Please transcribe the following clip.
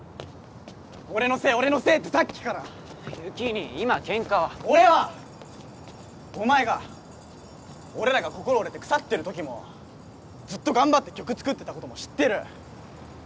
俺のせい俺のせいってさっきから有起兄今ケンカは俺はお前が俺らが心折れて腐ってる時もずっと頑張って曲作ってたことも知ってる